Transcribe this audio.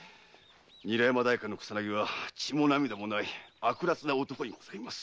韮山代官の草薙は血も涙もない悪辣な男にございます。